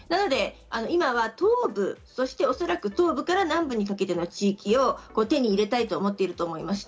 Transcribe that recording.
今は東部、そして東部から南部にかけての地域を手に入れたいと思っていると思います。